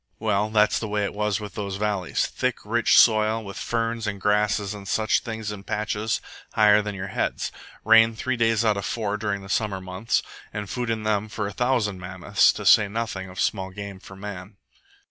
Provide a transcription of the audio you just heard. Well, that's the way it was with those valleys. Thick, rich soil, with ferns and grasses and such things in patches higher than your head. Rain three days out of four during the summer months; and food in them for a thousand mammoths, to say nothing of small game for man.